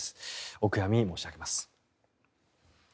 お悔やみ申し上げます。